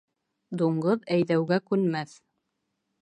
Дуңғыҙ әйҙәүгә күнмәҫ.